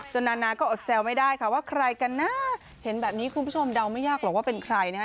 นานาก็อดแซวไม่ได้ค่ะว่าใครกันนะเห็นแบบนี้คุณผู้ชมเดาไม่ยากหรอกว่าเป็นใครนะฮะ